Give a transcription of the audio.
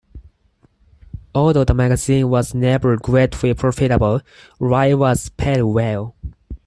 Although the magazine was never greatly profitable, Wright was paid well.